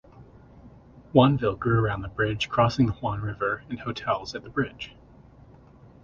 Huonville grew around the bridge crossing the Huon River and hotels at the bridge.